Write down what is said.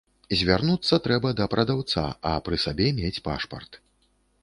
Звярнуцца трэба да прадаўца, а пры сабе мець пашпарт.